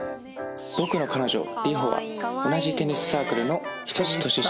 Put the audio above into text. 僕の彼女リホは同じテニスサークルの１つ年下の後輩